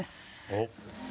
おっ！